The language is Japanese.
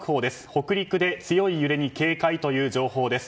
北陸で強い揺れに警戒という情報です。